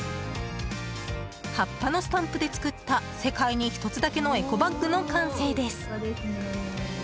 葉っぱのスタンプで作った世界に１つだけのエコバッグの完成です。